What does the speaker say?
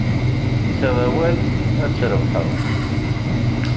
Ttaɣ awal, ad trebḥeḍ.